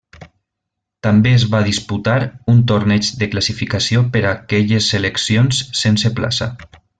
També es va disputar un torneig de classificació per aquelles seleccions sense plaça.